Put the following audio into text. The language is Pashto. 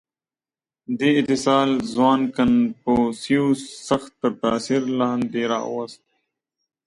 • دې اتصال ځوان کنفوسیوس سخت تر تأثیر لاندې راوست.